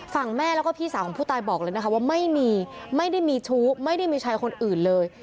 แม่แล้วก็พี่สาวของผู้ตายบอกเลยนะคะว่าไม่มีไม่ได้มีชู้ไม่ได้มีชายคนอื่นเลย